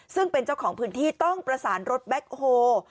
ซึ่งเป็นเจ้าของพื้นที่ต้องประสานรถแบ็คโฮ